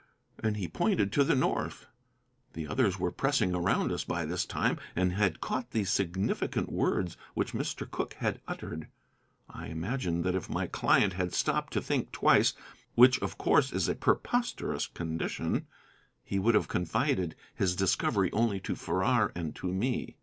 And he pointed to the north. The others were pressing around us by this time, and had caught the significant words which Mr. Cooke had uttered. I imagine that if my client had stopped to think twice, which of course is a preposterous condition, he would have confided his discovery only to Farrar and to me.